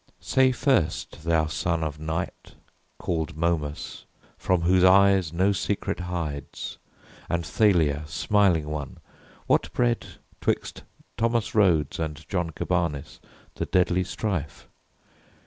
Say first, Thou son of night, called Momus, from whose eyes No secret hides, and Thalia, smiling one, What bred 'twixt Thomas Rhodes and John Cabanis The deadly strife?